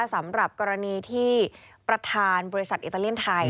สำหรับกรณีที่ประธานบริษัทอิตาเลียนไทย